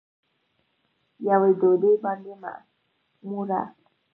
یوې ډوډۍ باندې معموره